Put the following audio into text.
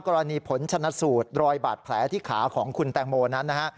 กรณีผลชนสูตร๑๐๐บาทแผลที่ขาของคุณแตงโมร์นั้น